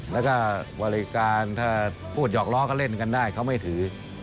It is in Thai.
แล้วก็บริการถ้าพูดหยอกล้อก็เล่นกันได้เขาไม่ถือ